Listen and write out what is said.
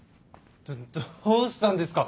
どどうしたんですか？